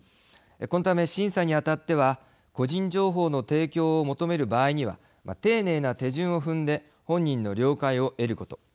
このため、審査にあたっては個人情報の提供を求める場合には丁寧な手順を踏んで本人の了解を得ること。